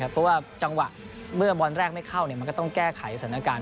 เพราะว่าเมื่อบอร์ดแรกไม่เข้าเนี่ยก็ต้องแก้ภัยสถานการณ์